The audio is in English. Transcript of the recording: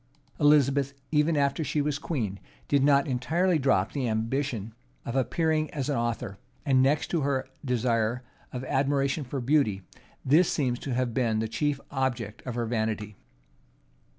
[*]* Speed. Elizabeth, even after she was queen, did not entirely drop the ambition of appearing as an author; and, next to her desire of admiration for beauty, this seems to have been the chief object of her vanity.